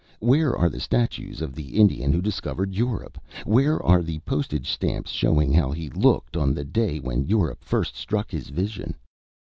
Where are the statues of the Indian who discovered Europe? Where are the postage stamps showing how he looked on the day when Europe first struck his vision?